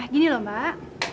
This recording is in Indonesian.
gini loh mbak